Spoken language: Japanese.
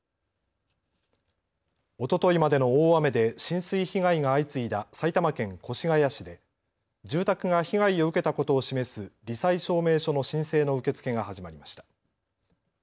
おとといまでの大雨で浸水被害が相次いだ埼玉県越谷市で住宅が被害を受けたことを示すり災証明書の申請の受け付けが始まりました。